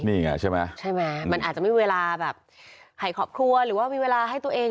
นี่ไงใช่ไหมใช่ไหมมันอาจจะไม่มีเวลาแบบให้ครอบครัวหรือว่ามีเวลาให้ตัวเอง